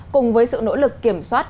cùng với sự nỗ lực kiểm soát